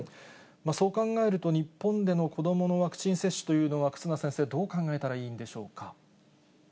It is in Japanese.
そう考えると、日本での子どものワクチン接種というのは忽那先生、どう考えたらいいんでしょうか。